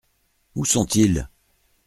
Où sont-ils ?